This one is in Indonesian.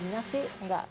masa kemas quiaknya lama ya